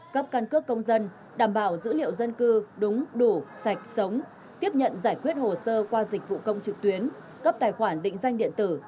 cấp căn cước công dân đảm bảo dữ liệu dân cư đúng đủ sạch sống tiếp nhận giải quyết hồ sơ qua dịch vụ công trực tuyến cấp tài khoản định danh điện tử